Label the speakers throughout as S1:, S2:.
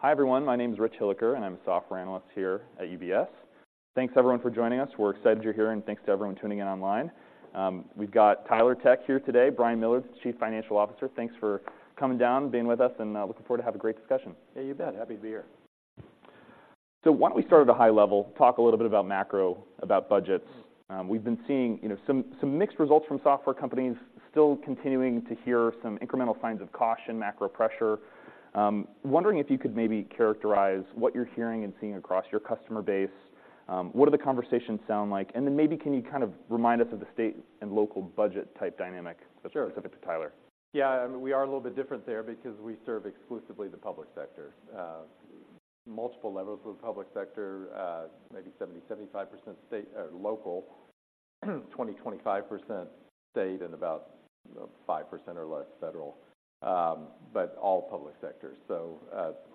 S1: Awesome! Hi, everyone, my name is Rich Hilliker, and I'm a software analyst here at UBS. Thanks, everyone, for joining us. We're excited you're here, and thanks to everyone tuning in online. We've got Tyler Tech here today. Brian Miller, the Chief Financial Officer. Thanks for coming down, being with us, and looking forward to have a great discussion.
S2: Yeah, you bet. Happy to be here.
S1: Why don't we start at a high level, talk a little bit about macro, about budgets.
S2: Hmm.
S1: We've been seeing, you know, some mixed results from software companies, still continuing to hear some incremental signs of caution, macro pressure. Wondering if you could maybe characterize what you're hearing and seeing across your customer base. What do the conversations sound like? And then maybe, can you kind of remind us of the state and local budget type dynamic-
S2: Sure.
S1: especially to Tyler?
S2: Yeah, I mean, we are a little bit different there because we serve exclusively the public sector. Multiple levels of the public sector, maybe 70-75% state, local, 20-25% state, and about, you know, 5% or less federal, but all public sectors. So,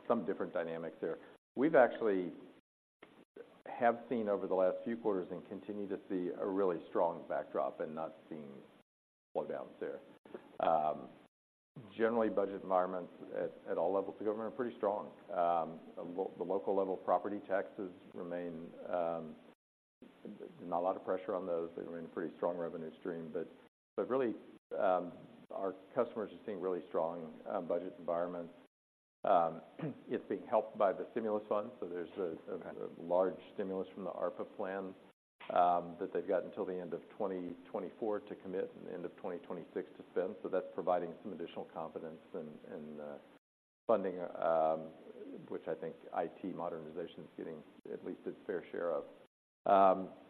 S2: some different dynamics there. We've actually have seen over the last few quarters and continue to see a really strong backdrop and not seeing slowdowns there. Generally, budget environments at all levels of government are pretty strong. The local level, property taxes remain not a lot of pressure on those. They remain a pretty strong revenue stream, but really, our customers are seeing really strong budget environments. It's being helped by the stimulus funds, so there's a large stimulus from the ARPA plan that they've got until the end of 2024 to commit, and the end of 2026 to spend. So that's providing some additional confidence and funding, which I think IT modernization is getting at least its fair share of.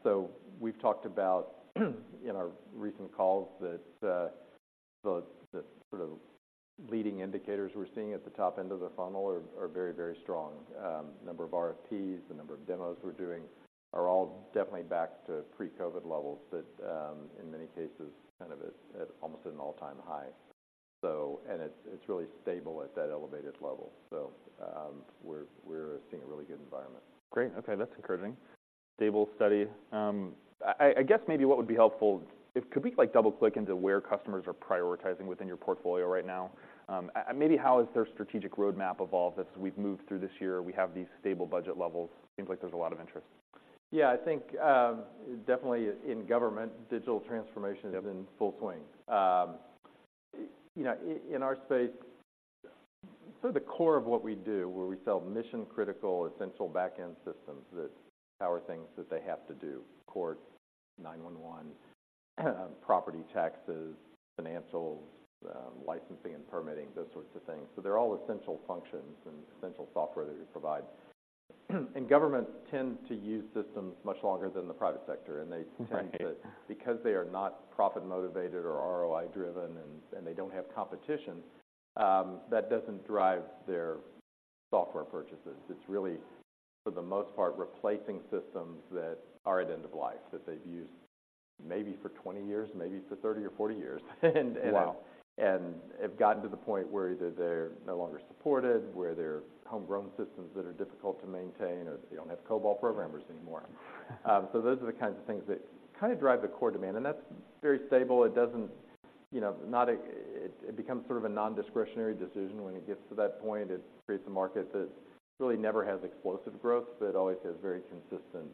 S2: So we've talked about, in our recent calls that the sort of leading indicators we're seeing at the top end of the funnel are very, very strong. Number of RFPs, the number of demos we're doing are all definitely back to pre-COVID levels but, in many cases, kind of at almost an all-time high. So... And it's really stable at that elevated level. So, we're seeing a really good environment.
S1: Great. Okay, that's encouraging. Stable, steady. I guess maybe what would be helpful if could we, like, double-click into where customers are prioritizing within your portfolio right now? Maybe how has their strategic roadmap evolved as we've moved through this year, we have these stable budget levels. Seems like there's a lot of interest.
S2: Yeah, I think, definitely in government, digital transformation-
S1: Yep...
S2: is in full swing. You know, in our space, sort of the core of what we do, where we sell mission-critical, essential back-end systems that power things that they have to do, court, 911, property taxes, financials, licensing and permitting, those sorts of things. So they're all essential functions and essential software that we provide. And governments tend to use systems much longer than the private sector, and they tend to-
S1: Right...
S2: because they are not profit-motivated or ROI-driven, and they don't have competition that doesn't drive their software purchases. It's really, for the most part, replacing systems that are at end of life, that they've used maybe for 20 years, maybe for 30 or 40 years, and-
S1: Wow!
S2: and have gotten to the point where either they're no longer supported, where they're homegrown systems that are difficult to maintain, or they don't have COBOL programmers anymore. So those are the kinds of things that kind of drive the core demand, and that's very stable. It doesn't... You know, it becomes sort of a non-discretionary decision when it gets to that point. It creates a market that really never has explosive growth, but always has very consistent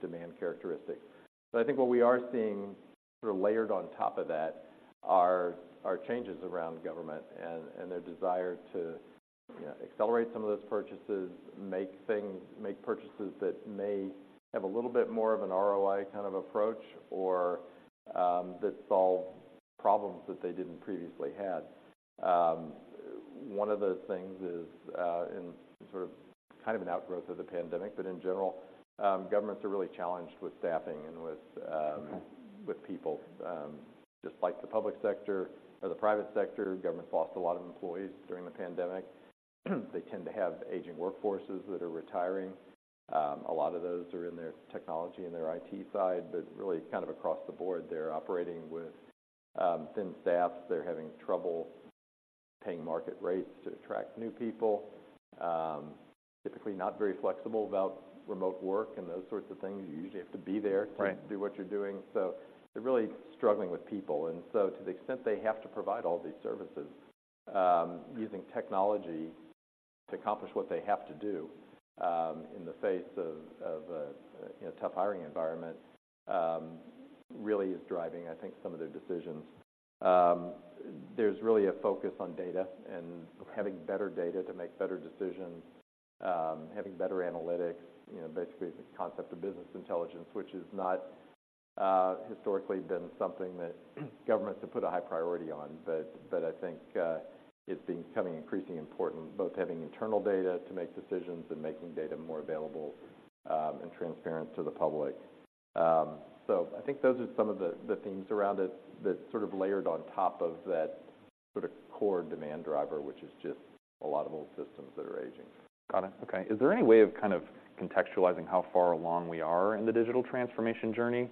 S2: demand characteristics. So I think what we are seeing sort of layered on top of that are changes around government and their desire to, you know, accelerate some of those purchases, make purchases that may have a little bit more of an ROI kind of approach or that solve problems that they didn't previously had. One of the things is, and sort of kind of an outgrowth of the pandemic, but in general, governments are really challenged with staffing and with,
S1: Mm-hmm...
S2: with people. Just like the public sector or the private sector, governments lost a lot of employees during the pandemic. They tend to have aging workforces that are retiring. A lot of those are in their technology and their IT side, but really kind of across the board, they're operating with thin staff. They're having trouble paying market rates to attract new people. Typically not very flexible about remote work and those sorts of things. You usually have to be there-
S1: Right...
S2: to do what you're doing. So they're really struggling with people. And so to the extent they have to provide all these services, using technology to accomplish what they have to do, in the face of a, you know, tough hiring environment, really is driving, I think, some of their decisions. There's really a focus on data and having better data to make better decisions, having better analytics, you know, basically the concept of business intelligence, which is not historically been something that governments have put a high priority on. But I think it's becoming increasingly important, both having internal data to make decisions and making data more available and transparent to the public. So, I think those are some of the themes around it that sort of layered on top of that sort of core demand driver, which is just a lot of old systems that are aging.
S1: Got it. Okay. Is there any way of kind of contextualizing how far along we are in the digital transformation journey?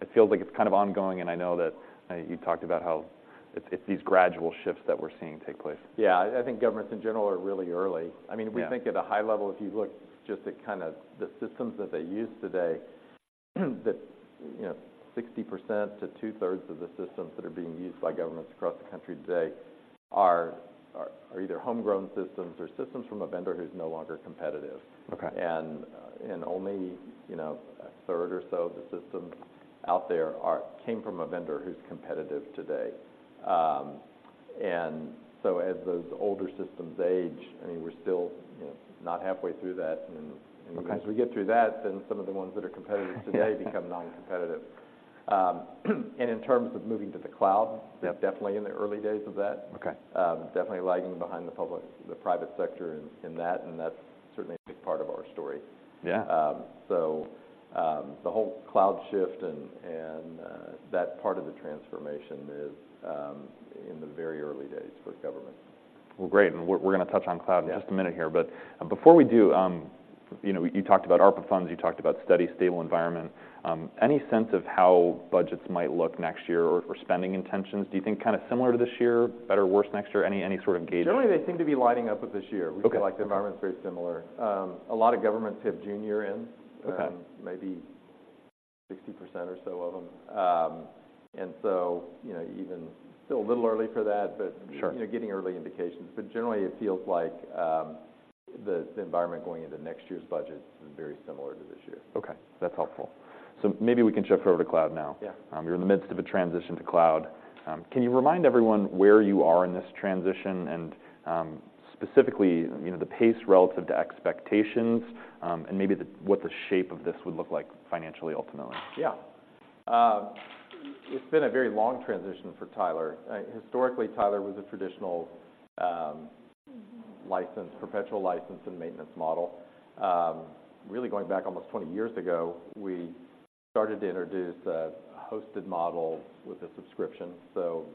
S1: It feels like it's kind of ongoing, and I know that you talked about how it's these gradual shifts that we're seeing take place.
S2: Yeah. I think governments, in general, are really early.
S1: Yeah.
S2: I mean, if we think at a high level, if you look just at kind of the systems that they use today, that, you know, 60% to two-thirds of the systems that are being used by governments across the country today are either homegrown systems or systems from a vendor who's no longer competitive.
S1: Okay.
S2: Only, you know, a third or so of the systems out there came from a vendor who's competitive today. And so as those older systems age, I mean, we're still, you know, not halfway through that, and-
S1: Okay
S2: and as we get through that, then some of the ones that are competitive today
S1: Yeah
S2: - become non-competitive. In terms of moving to the cloud-
S1: Yeah
S2: We're definitely in the early days of that.
S1: Okay.
S2: Definitely lagging behind the public, the private sector in that, and that's certainly a big part of our story.
S1: Yeah.
S2: So, the whole cloud shift and that part of the transformation is in the very early days for government.
S1: Well, great, and we're gonna touch on cloud in just a minute here. But before we do, you know, you talked about ARPA funds, you talked about steady, stable environment. Any sense of how budgets might look next year or spending intentions? Do you think kind of similar to this year, better or worse next year? Any sort of gauge?
S2: Generally, they seem to be lining up with this year.
S1: Okay.
S2: We feel like the environment's very similar. A lot of governments have June year-end
S1: Okay...
S2: maybe 60% or so of them. And so, you know, even still a little early for that, but-
S1: Sure...
S2: you know, getting early indications. But generally, it feels like the environment going into next year's budget is very similar to this year.
S1: Okay, that's helpful. So maybe we can shift over to cloud now.
S2: Yeah.
S1: You're in the midst of a transition to cloud. Can you remind everyone where you are in this transition, and specifically, you know, the pace relative to expectations, and maybe what the shape of this would look like financially ultimately?
S2: Yeah. It's been a very long transition for Tyler. Historically, Tyler was a traditional license, perpetual license and maintenance model. Really going back almost 20 years ago, we started to introduce a hosted model with a subscription. So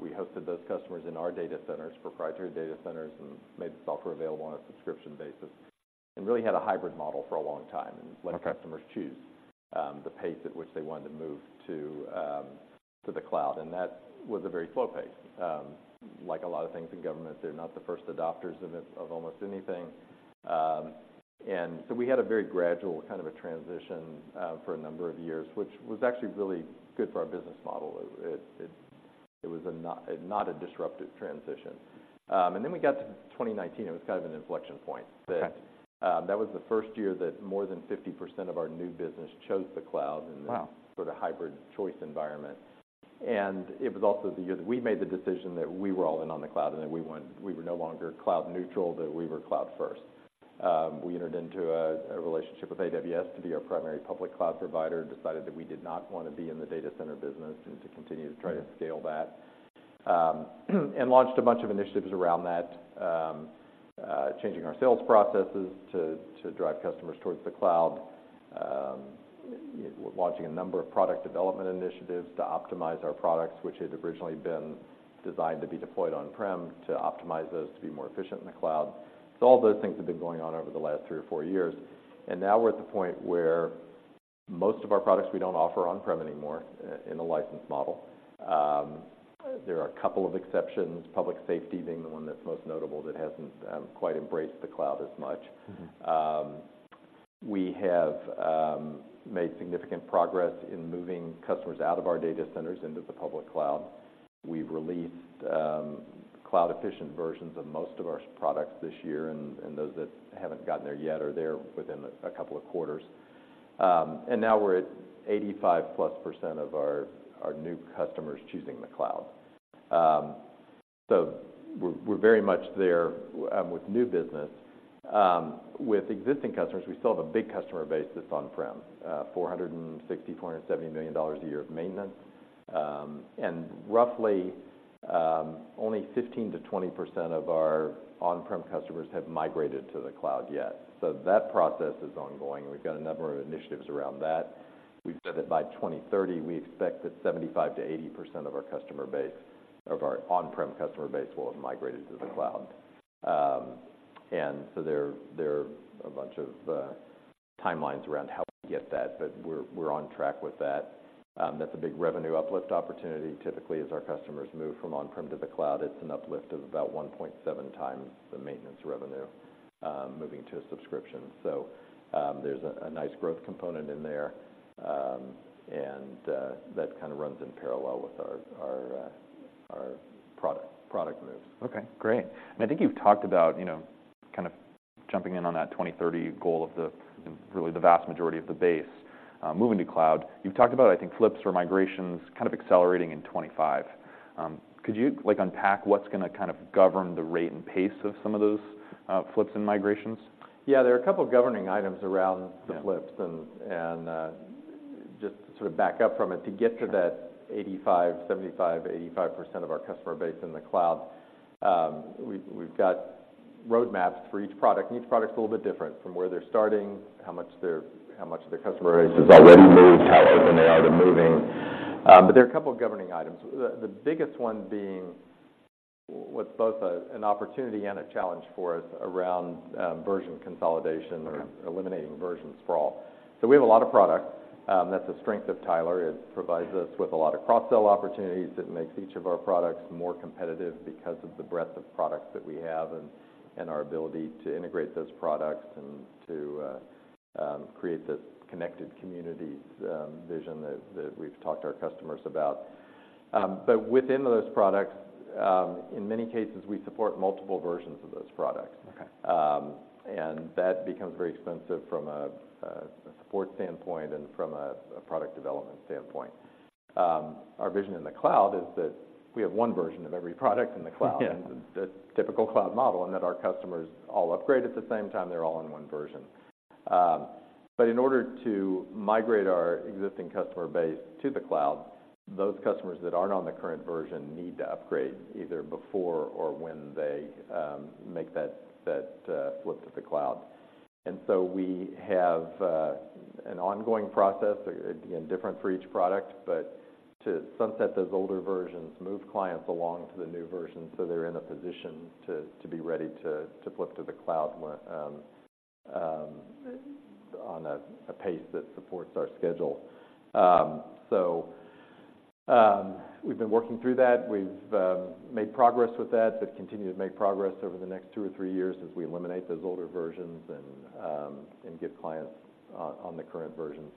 S2: we hosted those customers in our data centers, proprietary data centers, and made the software available on a subscription basis, and really had a hybrid model for a long time-
S1: Okay...
S2: and let customers choose the pace at which they wanted to move to the cloud, and that was a very slow pace. Like a lot of things in government, they're not the first adopters of it, of almost anything. And so we had a very gradual kind of a transition for a number of years, which was actually really good for our business model. It was not a disruptive transition. And then we got to 2019, it was kind of an inflection point.
S1: Okay.
S2: That, that was the first year that more than 50% of our new business chose the cloud-
S1: Wow
S2: And then sort of hybrid choice environment. And it was also the year that we made the decision that we were all in on the cloud, and that we weren't, we were no longer cloud neutral, but we were cloud first. We entered into a relationship with AWS to be our primary public cloud provider, and decided that we did not want to be in the data center business and to continue to try to scale that. And launched a bunch of initiatives around that, changing our sales processes to drive customers towards the cloud. Launching a number of product development initiatives to optimize our products, which had originally been designed to be deployed on-prem, to optimize those to be more efficient in the cloud. So all those things have been going on over the last three or four years, and now we're at the point where most of our products we don't offer on-prem anymore in the license model. There are a couple of exceptions, public safety being the one that's most notable, that hasn't quite embraced the cloud as much.
S1: Mm-hmm.
S2: We have made significant progress in moving customers out of our data centers into the public cloud. We've released cloud-efficient versions of most of our products this year, and those that haven't gotten there yet are there within a couple of quarters. And now we're at 85%+ of our new customers choosing the cloud. So we're very much there with new business. With existing customers, we still have a big customer base that's on-prem, $470 million a year of maintenance. And roughly only 15%-20% of our on-prem customers have migrated to the cloud yet. So that process is ongoing. We've got a number of initiatives around that. We've said that by 2030, we expect that 75%-80% of our customer base—of our on-prem customer base, will have migrated to the cloud. And so there are a bunch of timelines around how we get that, but we're on track with that. That's a big revenue uplift opportunity. Typically, as our customers move from on-prem to the cloud, it's an uplift of about 1.7 times the maintenance revenue, moving to a subscription. So, there's a nice growth component in there, and that kind of runs in parallel with our product moves.
S1: Okay, great. I think you've talked about, you know, kind of jumping in on that 2030 goal of the, really the vast majority of the base moving to cloud. You've talked about, I think, flips or migrations kind of accelerating in 2025. Could you, like, unpack what's gonna kind of govern the rate and pace of some of those flips and migrations?
S2: Yeah, there are a couple of governing items around-
S1: Yeah...
S2: the flips. And just to sort of back up from it, to get to that-
S1: Sure...
S2: 85, 75, 85% of our customer base in the cloud. We've got roadmaps for each product, and each product's a little bit different from where they're starting, how much of their customer base has already moved, how open they are to moving. But there are a couple of governing items. The biggest one being what's both an opportunity and a challenge for us around version consolidation-
S1: Okay...
S2: or eliminating version sprawl. So we have a lot of product, that's a strength of Tyler. It provides us with a lot of cross-sell opportunities. It makes each of our products more competitive because of the breadth of products that we have and, and our ability to integrate those products and to create this connected community vision that we've talked to our customers about. But within those products, in many cases, we support multiple versions of those products.
S1: Okay.
S2: And that becomes very expensive from a support standpoint and from a product development standpoint. Our vision in the cloud is that we have one version of every product in the cloud.
S1: Yeah.
S2: The typical cloud model, and that our customers all upgrade at the same time, they're all on one version. But in order to migrate our existing customer base to the cloud, those customers that aren't on the current version need to upgrade, either before or when they make that flip to the cloud. And so we have an ongoing process, again, different for each product, but to sunset those older versions, move clients along to the new version, so they're in a position to be ready to flip to the cloud when on a pace that supports our schedule. So we've been working through that. We've made progress with that, but continue to make progress over the next 2 or 3 years as we eliminate those older versions and get clients on the current versions.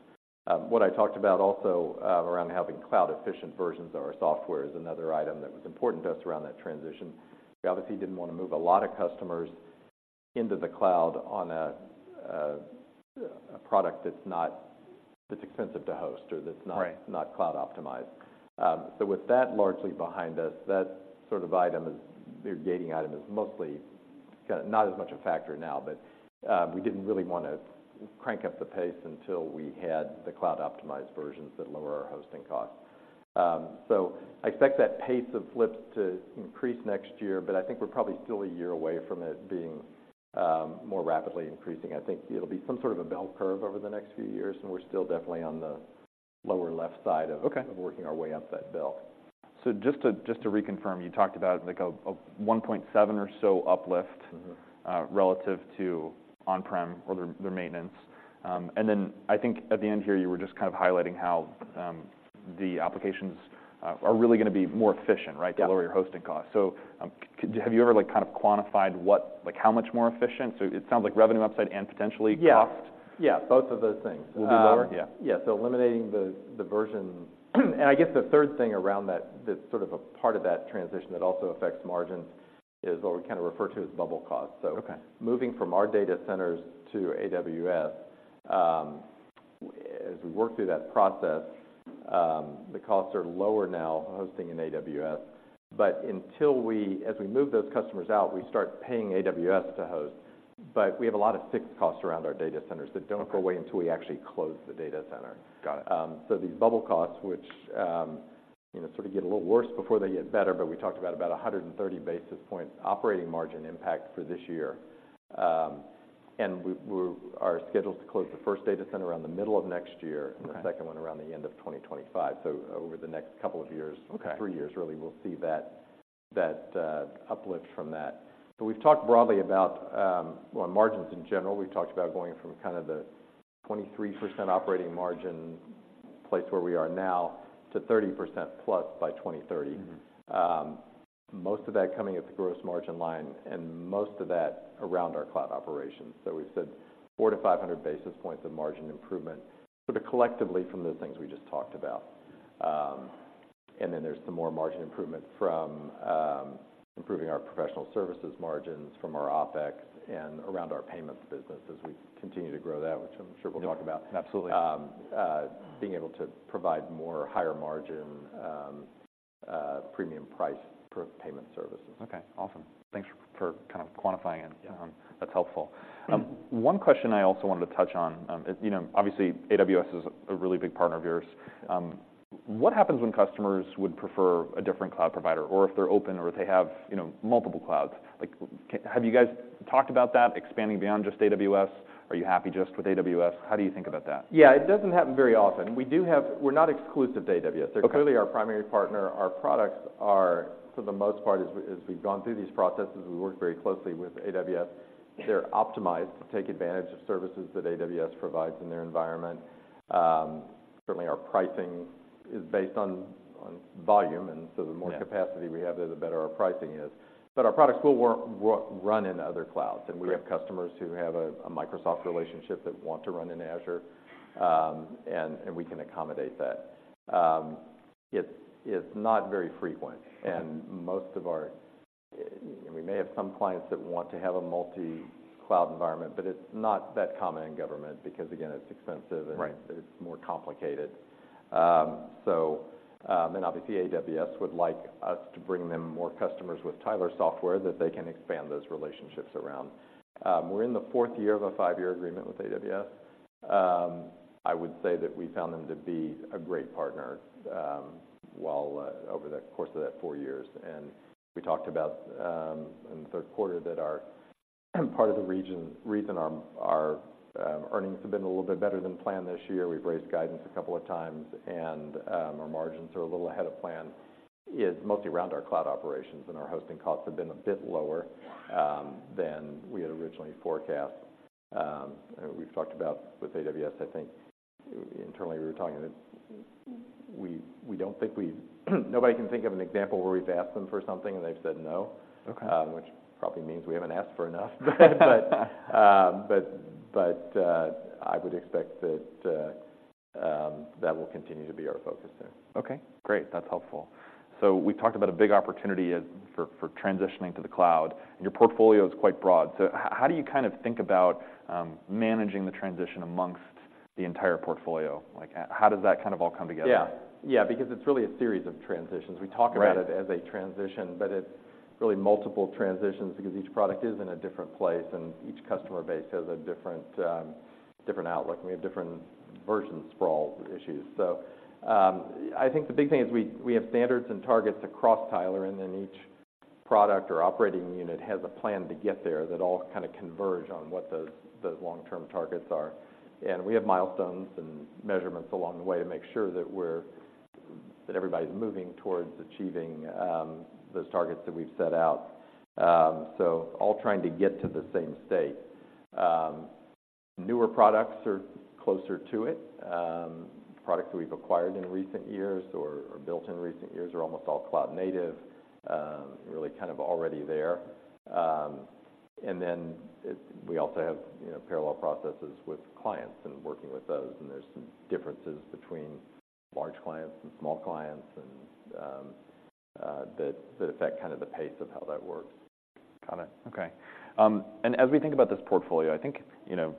S2: What I talked about also around having cloud-efficient versions of our software is another item that was important to us around that transition. We obviously didn't wanna move a lot of customers into the cloud on a product that's not, that's expensive to host or that's not-
S1: Right...
S2: not cloud optimized. So with that largely behind us, that sort of item is, the gating item, is mostly not as much a factor now. But we didn't really wanna crank up the pace until we had the cloud-optimized versions that lower our hosting costs. So I expect that pace of flips to increase next year, but I think we're probably still a year away from it being more rapidly increasing. I think it'll be some sort of a bell curve over the next few years, and we're still definitely on the lower left side of-
S1: Okay...
S2: of working our way up that bell.
S1: So just to reconfirm, you talked about, like, a 1.7 or so uplift-
S2: Mm-hmm...
S1: relative to on-prem or their maintenance. Then I think at the end here, you were just kind of highlighting how the applications are really gonna be more efficient, right?
S2: Yeah.
S1: To lower your hosting costs. So, have you ever, like, kind of quantified what—like, how much more efficient? So it, it sounds like revenue upside and potentially cost.
S2: Yeah. Yeah, both of those things.
S1: Will be lower? Yeah.
S2: Yes, so eliminating the version... And I guess the third thing around that, that's sort of a part of that transition that also affects margins, is what we kind of refer to as bubble costs.
S1: Okay.
S2: So moving from our data centers to AWS, as we work through that process, the costs are lower now hosting in AWS. But until, as we move those customers out, we start paying AWS to host, but we have a lot of fixed costs around our data centers that don't-
S1: Okay...
S2: go away until we actually close the data center.
S1: Got it.
S2: So these bubble costs, which, you know, sort of get a little worse before they get better, but we talked about a hundred and thirty basis points operating margin impact for this year. And we are scheduled to close the first data center around the middle of next year-
S1: Okay...
S2: and the second one around the end of 2025. So over the next couple of years-
S1: Okay...
S2: three years really, we'll see that uplift from that. So we've talked broadly about, well, margins in general. We've talked about going from kind of the 23% operating margin place where we are now, to 30%+ by 2030.
S1: Mm-hmm.
S2: Most of that coming at the gross margin line, and most of that around our cloud operations. So we've said 400-500 basis points of margin improvement, sort of collectively from the things we just talked about. And then there's some more margin improvement from improving our professional services margins, from our OpEx, and around our payments business as we continue to grow that, which I'm sure we'll talk about.
S1: Absolutely.
S2: Being able to provide more higher margin, premium price for payment services.
S1: Okay, awesome. Thanks for kind of quantifying it.
S2: Yeah.
S1: That's helpful.
S2: Mm.
S1: One question I also wanted to touch on, you know, obviously AWS is a really big partner of yours. What happens when customers would prefer a different cloud provider, or if they're open, or if they have, you know, multiple clouds? Like, have you guys talked about that, expanding beyond just AWS? Are you happy just with AWS? How do you think about that?
S2: Yeah, it doesn't happen very often. We do have, we're not exclusive to AWS.
S1: Okay.
S2: They're clearly our primary partner. Our products are, for the most part, as we, as we've gone through these processes, we worked very closely with AWS. They're optimized to take advantage of services that AWS provides in their environment. Certainly, our pricing is based on, on volume, and so the-
S1: Yeah...
S2: more capacity we have there, the better our pricing is. But our products will work, run in other clouds.
S1: Right.
S2: We have customers who have a Microsoft relationship that want to run in Azure, and we can accommodate that. It's not very frequent, and most of our... We may have some clients that want to have a multi-cloud environment, but it's not that common in government because, again, it's expensive.
S1: Right...
S2: and it's more complicated. So, and obviously, AWS would like us to bring them more customers with Tyler software that they can expand those relationships around. We're in the fourth year of a five-year agreement with AWS. I would say that we found them to be a great partner over the course of that four years. And we talked about in the third quarter that part of the reason our earnings have been a little bit better than planned this year, we've raised guidance a couple of times and our margins are a little ahead of plan, is mostly around our cloud operations. And our hosting costs have been a bit lower than we had originally forecast. And we've talked about with AWS. I think internally, we were talking that we don't think we've. Nobody can think of an example where we've asked them for something, and they've said no.
S1: Okay.
S2: which probably means we haven't asked for enough. But, I would expect that will continue to be our focus there.
S1: Okay, great! That's helpful. So we talked about a big opportunity for transitioning to the cloud, and your portfolio is quite broad. So how do you kind of think about managing the transition amongst the entire portfolio? Like, how does that kind of all come together?
S2: Yeah. Yeah, because it's really a series of transitions.
S1: Right.
S2: We talk about it as a transition, but it's really multiple transitions because each product is in a different place, and each customer base has a different, different outlook, and we have different version sprawl issues. So, I think the big thing is we, we have standards and targets across Tyler, and then each product or operating unit has a plan to get there that all kind of converge on what those, those long-term targets are. And we have milestones and measurements along the way to make sure that everybody's moving towards achieving, those targets that we've set out. So all trying to get to the same state. Newer products are closer to it. Products that we've acquired in recent years or, or built in recent years are almost all cloud native, really kind of already there. And then we also have, you know, parallel processes with clients and working with those, and there's some differences between large clients and small clients, and that affect kind of the pace of how that works.
S1: Got it. Okay. And as we think about this portfolio, I think, you know,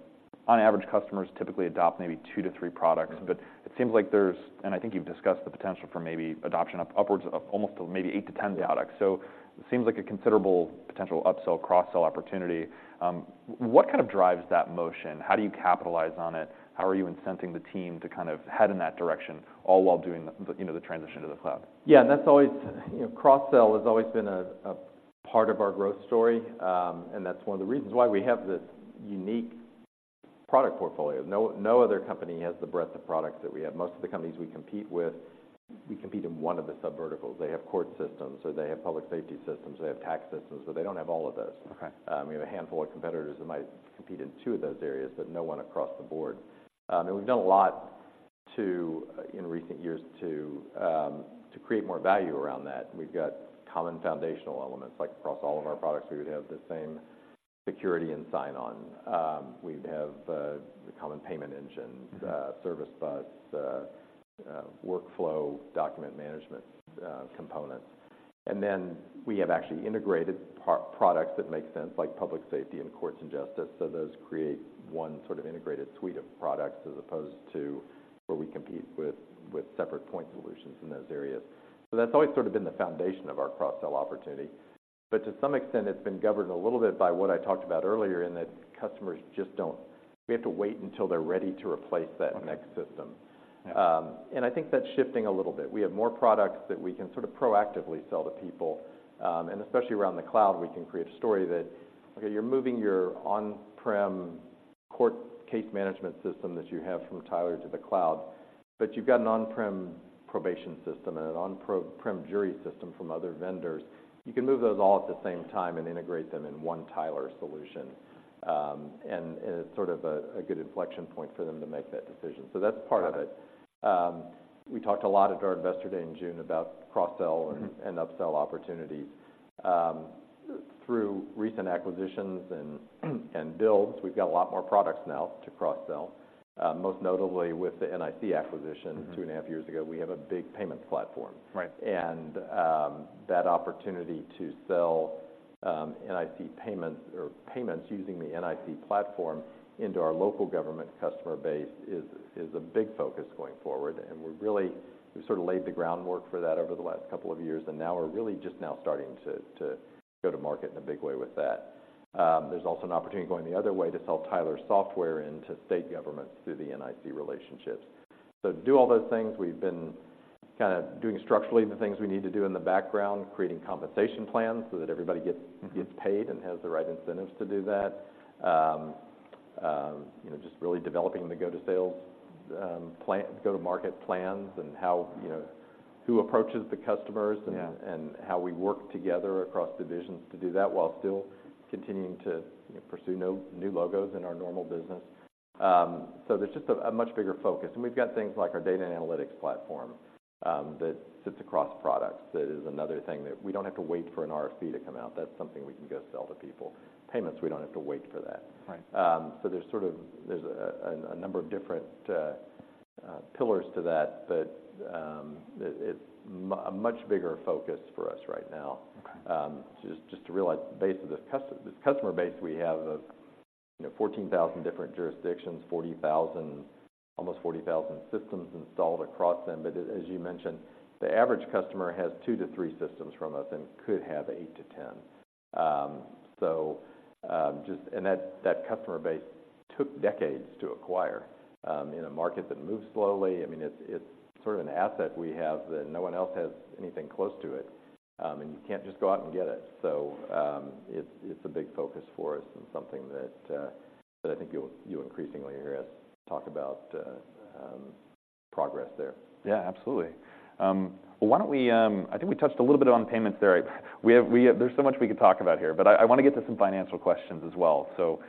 S1: on average, customers typically adopt maybe two to three products.
S2: Mm-hmm.
S1: But it seems like there's... And I think you've discussed the potential for maybe adoption upwards of almost maybe 8-10 products.
S2: Yeah.
S1: So it seems like a considerable potential upsell, cross-sell opportunity. What kind of drives that motion? How do you capitalize on it? How are you incenting the team to kind of head in that direction, all while doing the, you know, the transition to the cloud?
S2: Yeah, that's always... You know, cross-sell has always been a part of our growth story, and that's one of the reasons why we have this unique product portfolio. No, no other company has the breadth of products that we have. Most of the companies we compete with, we compete in one of the subverticals. They have court systems, or they have public safety systems, they have tax systems, but they don't have all of those.
S1: Okay.
S2: We have a handful of competitors that might compete in two of those areas, but no one across the board. And we've done a lot to, in recent years, to create more value around that. We've got common foundational elements, like across all of our products, we would have the same security and sign-on. We'd have the common payment engine-
S1: Mm-hmm...
S2: service bus, workflow, document management, components. And then we have actually integrated products that make sense, like public safety and courts and justice, so those create one sort of integrated suite of products, as opposed to where we compete with separate point solutions in those areas. So that's always sort of been the foundation of our cross-sell opportunity. But to some extent, it's been governed a little bit by what I talked about earlier, in that customers just don't—we have to wait until they're ready to replace that next system.
S1: Okay. Yeah.
S2: I think that's shifting a little bit. We have more products that we can sort of proactively sell to people. Especially around the cloud, we can create a story that, okay, you're moving your on-prem court case management system that you have from Tyler to the cloud, but you've got an on-prem probation system and an on-prem jury system from other vendors. You can move those all at the same time and integrate them in one Tyler solution. It's sort of a good inflection point for them to make that decision. So that's part of it.
S1: Got it.
S2: We talked a lot at our Investor Day in June about cross-sell-
S1: Mm-hmm...
S2: and upsell opportunities. Through recent acquisitions and, and builds, we've got a lot more products now to cross-sell, most notably with the NIC acquisition-
S1: Mm-hmm...
S2: 2.5 years ago. We have a big payments platform.
S1: Right.
S2: That opportunity to sell NIC payments or payments using the NIC platform into our local government customer base is a big focus going forward, and we're really, we've sort of laid the groundwork for that over the last couple of years, and now we're really just now starting to go to market in a big way with that. There's also an opportunity going the other way to sell Tyler software into state governments through the NIC relationships. So to do all those things, we've been kind of doing structurally the things we need to do in the background, creating compensation plans so that everybody gets-
S1: Mm-hmm...
S2: gets paid and has the right incentives to do that. You know, just really developing the go-to-sales plan, go-to-market plans, and how, you know... Who approaches the customers-
S1: Yeah...
S2: and how we work together across divisions to do that, while still continuing to, you know, pursue no new logos in our normal business. So there's just a much bigger focus. And we've got things like our data and analytics platform that sits across products. That is another thing that we don't have to wait for an RFP to come out. That's something we can go sell to people. Payments, we don't have to wait for that.
S1: Right.
S2: So there's sort of a number of different pillars to that, but it's a much bigger focus for us right now.
S1: Okay.
S2: Just, just to realize the base of this customer base we have of, you know, 14,000 different jurisdictions, 40,000, almost 40,000 systems installed across them. But as you mentioned, the average customer has 2-3 systems from us and could have 8-10. So, just... And that, that customer base took decades to acquire, in a market that moves slowly. I mean, it's, it's sort of an asset we have, that no one else has anything close to it. And you can't just go out and get it. So, it's, it's a big focus for us and something that, that I think you'll, you'll increasingly hear us talk about, progress there.
S1: Yeah, absolutely. Well, why don't we... I think we touched a little bit on payments there. We have. There's so much we could talk about here, but I want to get to some financial questions as well. So,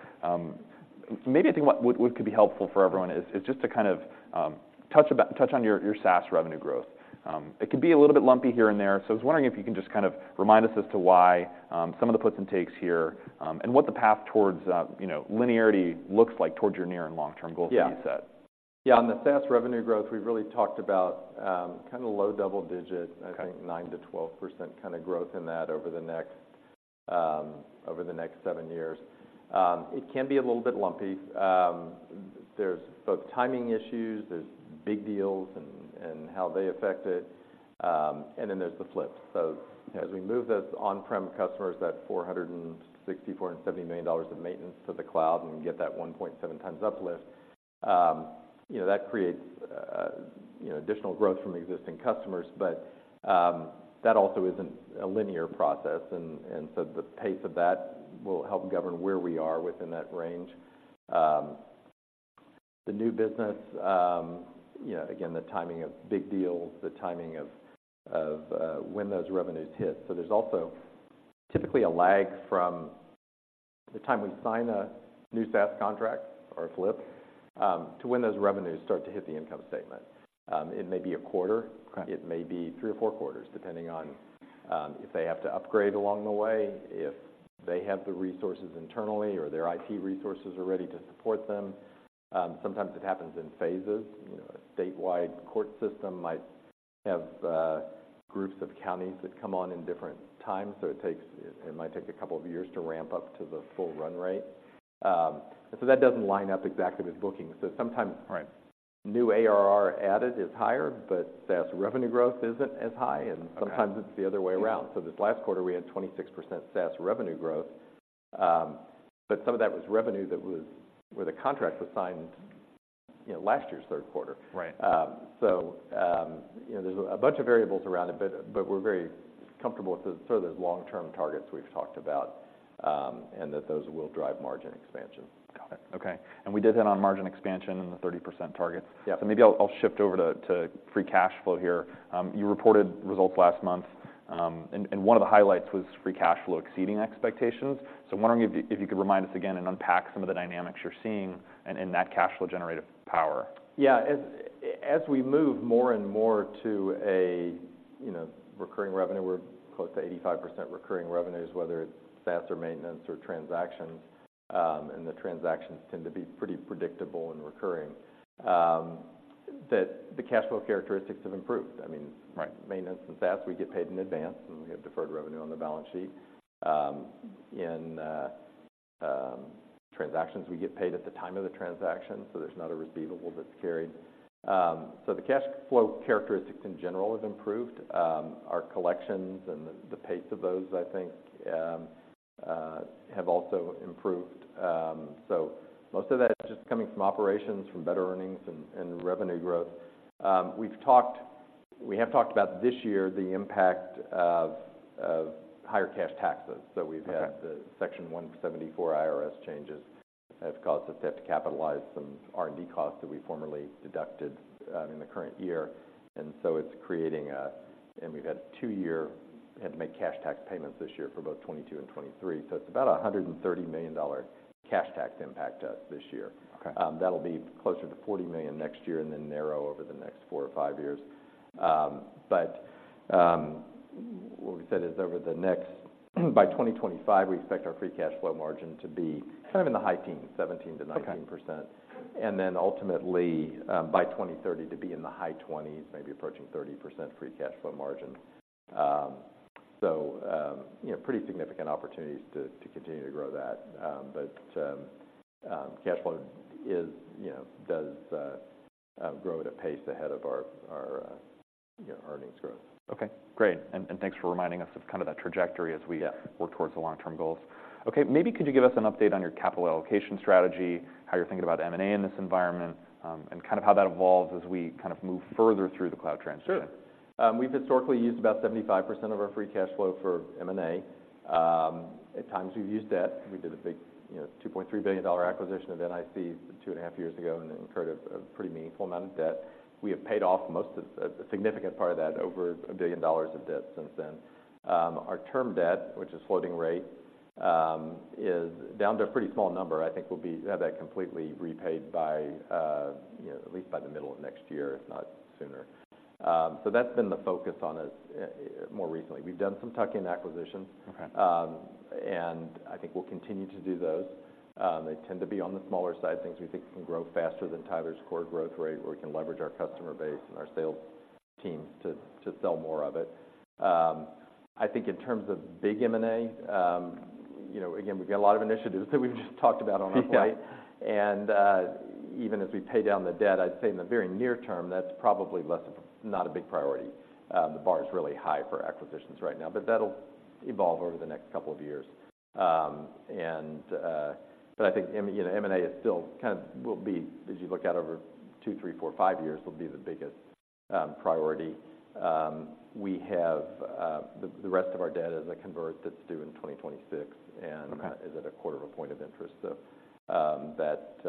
S1: maybe I think what could be helpful for everyone is just to kind of touch on your SaaS revenue growth. It could be a little bit lumpy here and there, so I was wondering if you can just kind of remind us as to why some of the puts and takes here, and what the path towards, you know, linearity looks like towards your near and long-term goals-
S2: Yeah...
S1: that you set?...
S2: Yeah, on the SaaS revenue growth, we've really talked about, kind of low double digit-
S1: Okay.
S2: I think 9%-12% kind of growth in that over the next, over the next 7 years. It can be a little bit lumpy. There's both timing issues, there's big deals and, and how they affect it, and then there's the flip. So as we move those on-prem customers, that $460 million-$470 million of maintenance to the cloud and get that 1.7x uplift, you know, that creates, you know, additional growth from existing customers. But, that also isn't a linear process, and, and so the pace of that will help govern where we are within that range. The new business, yeah, again, the timing of big deals, the timing of, of, when those revenues hit. So there's also typically a lag from the time we sign a new SaaS contract or a flip, to when those revenues start to hit the income statement. It may be a quarter-
S1: Okay.
S2: It may be three or four quarters, depending on if they have to upgrade along the way, if they have the resources internally or their IT resources are ready to support them. Sometimes it happens in phases. You know, a statewide court system might have groups of counties that come on in different times, so it takes. It might take a couple of years to ramp up to the full run rate. So that doesn't line up exactly with bookings. So sometimes-
S1: Right.
S2: new ARR added is higher, but SaaS revenue growth isn't as high, and-
S1: Okay.
S2: - sometimes it's the other way around. So this last quarter, we had 26% SaaS revenue growth, but some of that was revenue that was where the contract was signed, you know, last year's third quarter.
S1: Right.
S2: So, you know, there's a bunch of variables around it, but, but we're very comfortable with the sort of those long-term targets we've talked about, and that those will drive margin expansion.
S1: Got it. Okay, and we did that on margin expansion and the 30% target.
S2: Yeah.
S1: So maybe I'll shift over to free cash flow here. You reported results last month, and one of the highlights was free cash flow exceeding expectations. So I'm wondering if you could remind us again and unpack some of the dynamics you're seeing and in that cash flow generative power?
S2: Yeah. As we move more and more to a, you know, recurring revenue, we're close to 85% recurring revenues, whether it's SaaS or maintenance or transactions, and the transactions tend to be pretty predictable and recurring, that the cash flow characteristics have improved. I mean-
S1: Right.
S2: Maintenance and SaaS, we get paid in advance, and we have deferred revenue on the balance sheet. In transactions, we get paid at the time of the transaction, so there's not a receivable that's carried. So the cash flow characteristics in general have improved. Our collections and the pace of those, I think, have also improved. So most of that is just coming from operations, from better earnings and revenue growth. We've talked - we have talked about this year, the impact of higher cash taxes.
S1: Okay.
S2: So we've had the Section 174 IRS changes, have caused us to have to capitalize some R&D costs that we formerly deducted in the current year. And so it's creating a... And we've had a two-year, we had to make cash tax payments this year for both 2022 and 2023, so it's about a $130 million dollar cash tax impact to us this year.
S1: Okay.
S2: That'll be closer to $40 million next year and then narrow over the next 4 or 5 years. But what we said is by 2025, we expect our free cash flow margin to be kind of in the high teens, 17%-19%.
S1: Okay.
S2: Ultimately, by 2030, to be in the high 20s, maybe approaching 30% free cash flow margin. So, pretty significant opportunities to continue to grow that. But, cash flow is, you know, does grow at a pace ahead of our earnings growth.
S1: Okay, great. And thanks for reminding us of kind of that trajectory as we-
S2: Yeah
S1: work towards the long-term goals. Okay, maybe could you give us an update on your capital allocation strategy, how you're thinking about M&A in this environment, and kind of how that evolves as we kind of move further through the cloud transition?
S2: Sure. We've historically used about 75% of our free cash flow for M&A. At times, we've used debt. We did a big, you know, $2.3 billion acquisition of NIC two and a half years ago and incurred a pretty meaningful amount of debt. We have paid off a significant part of that, over $1 billion of debt since then. Our term debt, which is floating rate, is down to a pretty small number. I think we'll have that completely repaid by, you know, at least by the middle of next year, if not sooner. So that's been the focus on us more recently. We've done some tuck-in acquisitions.
S1: Okay.
S2: And I think we'll continue to do those. They tend to be on the smaller side, things we think can grow faster than Tyler's core growth rate, where we can leverage our customer base and our sales teams to sell more of it. I think in terms of big M&A, you know, again, we've got a lot of initiatives that we've just talked about on our site.
S1: Yeah.
S2: Even as we pay down the debt, I'd say in the very near term, that's probably less of... Not a big priority. The bar is really high for acquisitions right now, but that'll evolve over the next couple of years. But I think M- you know, M&A is still kind of, will be, as you look out over 2, 3, 4, 5 years, will be the biggest priority. We have, the rest of our debt is a convert that's due in 2026-
S1: Okay
S2: - and is at a quarter of a point of interest. So, that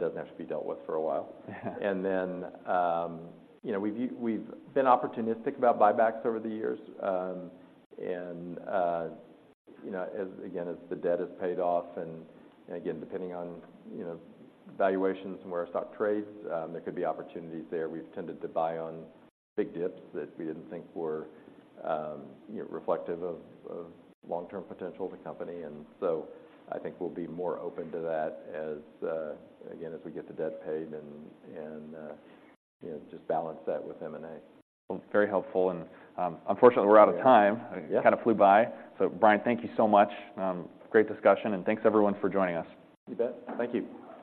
S2: doesn't have to be dealt with for a while. And then, you know, we've we've been opportunistic about buybacks over the years. And, you know, as again, as the debt is paid off, and, and again, depending on, you know, valuations and where our stock trades, there could be opportunities there. We've tended to buy on big dips that we didn't think were, you know, reflective of, of long-term potential of the company. And so I think we'll be more open to that as, again, as we get the debt paid and, and, you know, just balance that with M&A.
S1: Very helpful, and, unfortunately, we're out of time.
S2: Yeah.
S1: It kind of flew by. So Brian, thank you so much. Great discussion, and thanks everyone for joining us.
S2: You bet. Thank you.